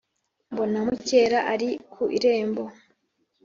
mbona mukera ari ku irembo